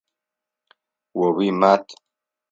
О уимат.